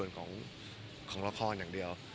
เขาก็จะดูในส่วนของละครอย่างเดียว